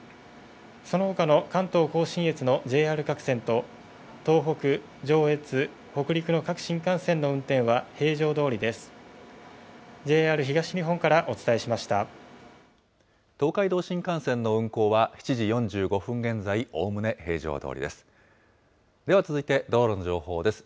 そのほかの関東甲信越のＪＲ各線と、東北、上越、北陸の各新幹線の運転は平常どおりです。